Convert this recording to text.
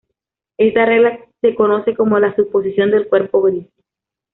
Esta regla se conoce como la "suposición del cuerpo gris".